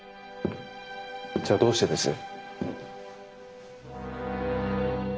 じゃあどうしてです？